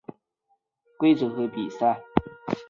世界花式撞球协会也制定撞球的规则和比赛。